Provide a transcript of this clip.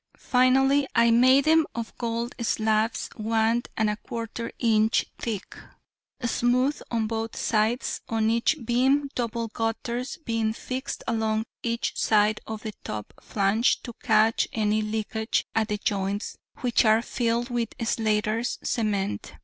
Finally, I made them of gold slabs one and a quarter inch thick, smooth on both sides, on each beam double gutters being fixed along each side of the top flange to catch any leakage at the joints, which are filled with slaters' cement.